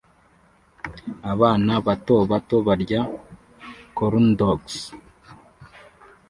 abana bato bato barya corndogs